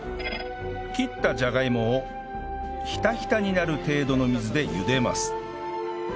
切ったじゃがいもをひたひたになる程度の水でゆでます